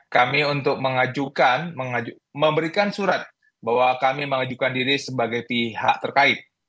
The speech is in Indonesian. kami untuk mengajukan memberikan surat bahwa kami mengajukan diri sebagai pihak terkait